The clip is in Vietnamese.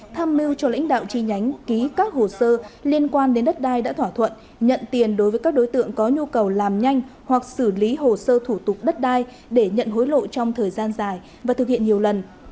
tham mưu cho lãnh đạo chi nhánh ký các hồ sơ liên quan đến đất đai đã thỏa thuận nhận tiền đối với các đối tượng có nhu cầu làm nhanh hoặc xử lý hồ sơ thủ tục đất đai để nhận hối lộ trong thời gian dài và thực hiện nhiều lần